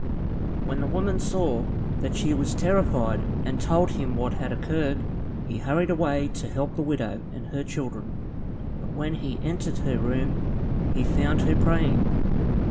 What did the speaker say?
When the woman saw that she was terrified and told him what had occurred. He hurried away to help the widow and her children, but when he entered her room, he found her praying.